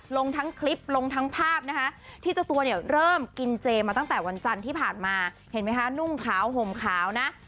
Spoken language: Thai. ลงทั้งคลิปลงทั้งภาพนะคะที่เจ้าตัวเนี่ยเริ่มกินเจมาตั้งแต่วันจันทร์ที่ผ่านมาเห็นไหมคะนุ่งขาวห่มขาวนะ